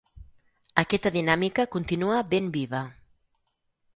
Aquesta dinàmica continua ben viva.